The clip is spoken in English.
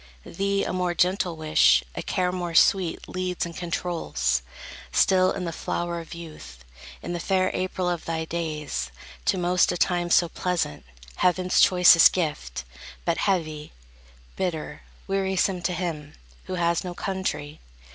Thee a more gentle wish, a care more sweet Leads and controls, still in the flower of youth, In the fair April of thy days, to most A time so pleasant, heaven's choicest gift; But heavy, bitter, wearisome to him Who has no country.